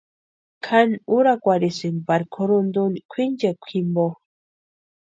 Kʼani úrakwarhisïnti pari kʼurhunta úni kwʼinchekwa jimpo.